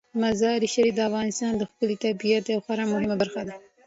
مزارشریف د افغانستان د ښکلي طبیعت یوه خورا مهمه برخه ده.